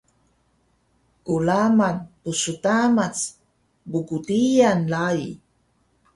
kraman psdamac pqdiyan rai